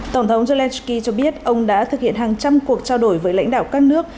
tổng thống zelensky cho biết ông đã thực hiện hàng trăm cuộc trao đổi với lãnh đạo các nước